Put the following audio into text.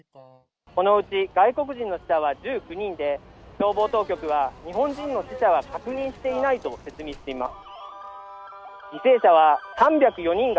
このうち外国人の死者は１９人で、消防当局は日本人の死者は確認していないと説明しています。